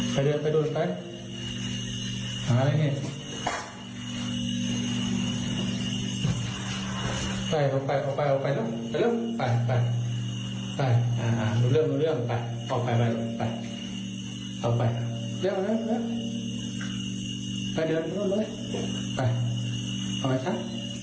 ไปเดินไปดูหน่อยไปเอาไงนี่ไปเอาไปเอาไปเอาไปเร็วไปเร็วไปไปไปไปอ่ารู้เรื่องรู้เรื่องไปเอาไปไปไปเอาไปเดี๋ยวเร็วเร็วไปเดี๋ยวไปดูหน่อยไปเอาไงช้า